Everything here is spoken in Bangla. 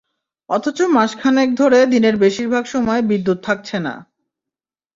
অথচ মাস খানেক ধরে দিনের বেশির ভাগ সময় বিদ্যুৎ থাকছে না।